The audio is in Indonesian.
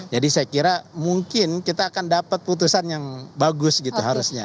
jadi saya kira mungkin kita akan dapat putusan yang bagus gitu harusnya